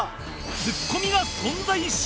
ツッコミが存在しない